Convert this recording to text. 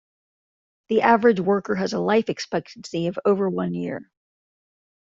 The average worker has a life expectancy of over one year.